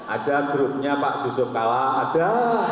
ada grupnya pak jusuf kala ada